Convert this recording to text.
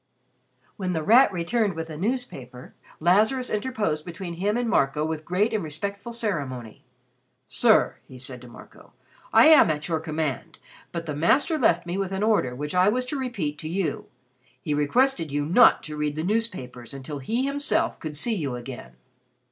When The Rat returned with a newspaper, Lazarus interposed between him and Marco with great and respectful ceremony. "Sir," he said to Marco, "I am at your command, but the Master left me with an order which I was to repeat to you. He requested you not to read the newspapers until he himself could see you again."